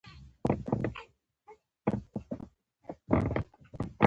د افغانستان ولايتونه د افغانستان د چاپیریال ساتنې لپاره مهم دي.